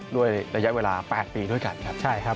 ด้วยระยะเวลา๘ปีด้วยกันครับ